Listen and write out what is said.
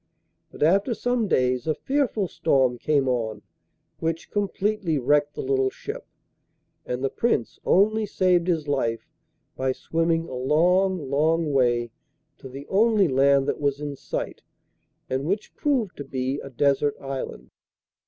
But after some days a fearful storm came on, which completely wrecked the little ship, and the Prince only saved his life by swimming a long, long way to the only land that was in sight, and which proved to be a desert island.